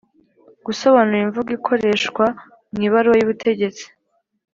Gusobanura imvugo ikoreshwa mu ibaruwa y’ubutegetsi